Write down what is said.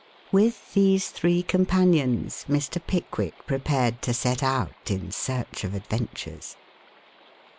With these three companions Mr. Pickwick prepared to set out in search of adventures.